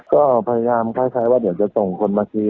ก็พยายามคล้ายว่าเดี๋ยวจะส่งคนมากิน